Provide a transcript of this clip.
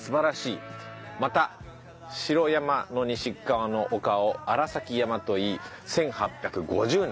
「また城山の西側の丘を荒崎山といい１８５０年」。